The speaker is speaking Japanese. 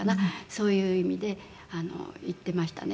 そういう意味で言ってましたね。